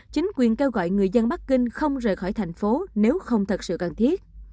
chính quyền kêu gọi người dân bắc kinh không rời khỏi thành phố nếu không thật sự cần thiết